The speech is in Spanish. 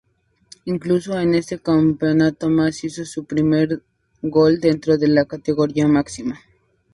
Incluso en ese campeonato, Mas hizo su primer gol dentro de la categoría máxima.